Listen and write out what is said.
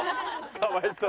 かわいそう。